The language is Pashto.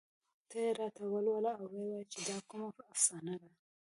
ته یې راته ولوله او ووايه چې دا کومه افسانه ده